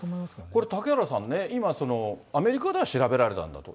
これ嵩原さんね、今、アメリカでは調べられたんだと。